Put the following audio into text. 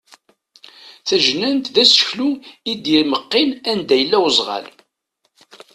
Tajnant d aseklu i d-imeqqin anda yella uzɣal.